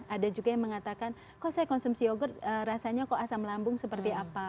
ada juga yang mengatakan kok saya konsumsi yogurt rasanya kok asam lambung seperti apa